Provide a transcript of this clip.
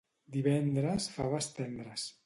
Divendres faves tendres